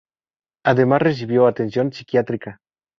Además recibió atención psiquiátrica.